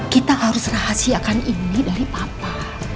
kita harus rahasiakan ini dari papa